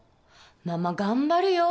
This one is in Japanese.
ママ頑張るよ！